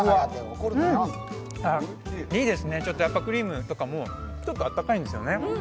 いいですね、クリームとかもちょっとあったかいんですよね。